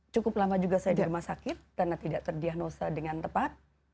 cukup lama juga saya di rumah sakit karena tidak terdiagnosa dengan tepat